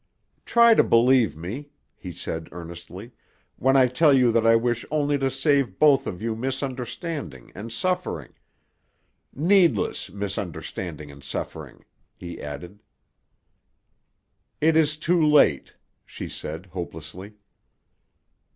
"Try to believe me," he said earnestly, "when I tell you that I wish only to save both of you misunderstanding and suffering. Needless misunderstanding and suffering," he added. "It is too late," she said hopelessly.